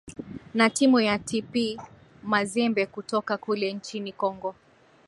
na timu ya tp mazembe kutoka kule nchini congo